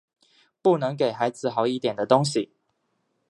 不能给孩子好一点的东西